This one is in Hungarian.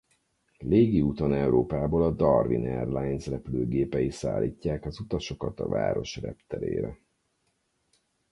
Légi úton Európából a Darwin Airlines repülőgépei szállítják az utasokat a város repterére.